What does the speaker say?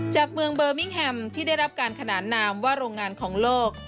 จากเมืองเบอร์มิ่งแฮมที่ได้รับการขนานนามว่าโรงงานของโลก